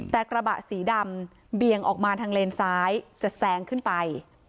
แต่กระบะสีดำเบี่ยงออกมาทางเลนซ้ายจะแซงขึ้นไป